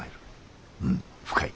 うん深い。